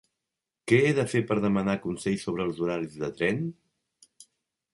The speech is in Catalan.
Què he de fer per demanar consell sobre els horaris de tren?